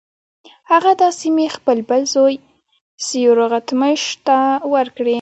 هغه دا سیمې خپل بل زوی سیورغتمش ته ورکړې.